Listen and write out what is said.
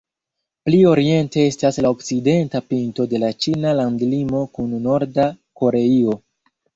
Pli oriente estas la okcidenta pinto de la ĉina landlimo kun Norda Koreio.